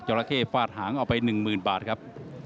ราเข้ฟาดหางเอาไป๑๐๐๐บาทครับ